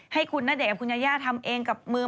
ให้คุณณเดชนกับคุณยาย่าทำเองกับมือ